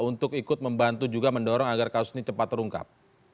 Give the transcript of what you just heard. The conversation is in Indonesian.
untuk ikut membantu juga mendorong agar kasus ini cepat terungkap